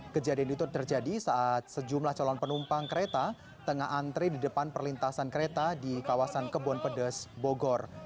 kejadian itu terjadi saat sejumlah calon penumpang kereta tengah antre di depan perlintasan kereta di kawasan kebon pedes bogor